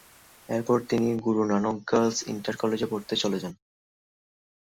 এরপর তিনি Guru Nanak girls inter কলেজে পড়তে চলে যান।